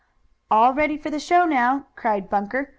"All ready for the show now!" cried Bunker.